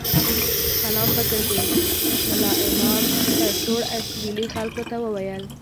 سلام وګرځېد، ملا امام په سوړ اسوېلي خلکو ته وویل.